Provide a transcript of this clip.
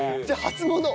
じゃあ初物？